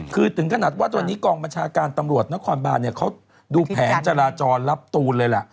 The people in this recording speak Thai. คือถึงขนาดว่าตอนนี้กองบัญชาการตำรวจนครบานเนี่ยเขาดูแผนจราจรรับตูนเลยล่ะ